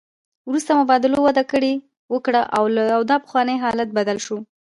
وروسته مبادلو وده وکړه او دا پخوانی حالت بدل شو